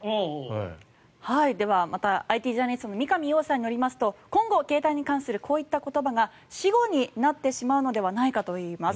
ではＩＴジャーナリストの三上洋さんによりますと今後、携帯に関するこういった言葉が死語になってしまうのではないかといいます。